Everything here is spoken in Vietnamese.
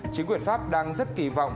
chính quyền pháp đang rất kì vọng